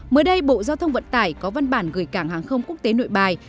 mới đây bộ giao thông vận tải có văn bản gửi cảng hàng không quốc tế nội bài